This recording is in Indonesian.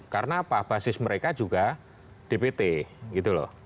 karena apa basis mereka juga dbt gitu loh